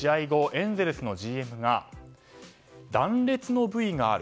エンゼルスのＧＭが断裂の部位がある。